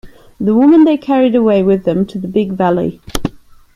The women they carried away with them to the Big Valley.